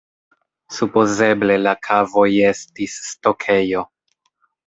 Supozeble la kavoj estis stokejo.